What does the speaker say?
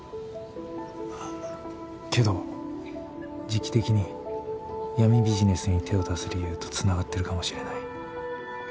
あぁけど時期的に闇ビジネスに手を出す理由とつながってるかもしれない。